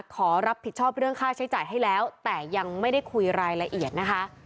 ขอรับผิดชอบเรื่องค่าใช้จ่ายให้แล้วแต่ยังไม่ได้คุยรายละเอียดนะคะ